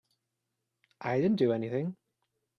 I didn't do anything.